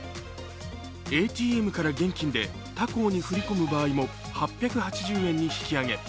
ＡＴＭから現金で他行に振り込む場合も８８０円に引き上げ。